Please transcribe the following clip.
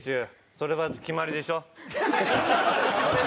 それは決まりでしょ？